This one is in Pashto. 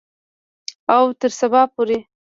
او تر سبا پورې.